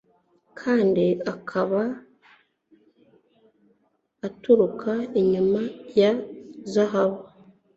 kandi akaba atiruka inyuma ya zahabu